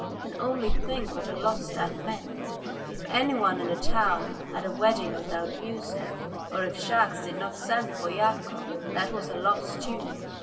And only think, what a loss that meant. If anyone in the town had a wedding without music, or if Shahkes did not send for Yakov, that was a loss, too.